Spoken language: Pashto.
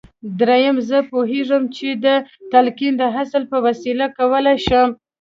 درېيم زه پوهېږم چې د تلقين د اصل په وسيله کولای شم.